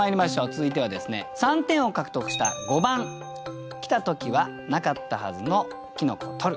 続いては３点を獲得した５番「来たときはなかったはずの茸採る」。